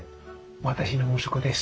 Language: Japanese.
私の息子です。